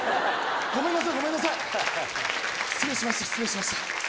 ごめんなさい、ごめんなさい、失礼しました、失礼しました。